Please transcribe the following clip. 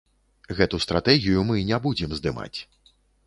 Гэту стратэгію мы не будзем здымаць.